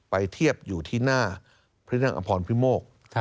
ไปเทียบอยู่ที่หน้าพอพิโมก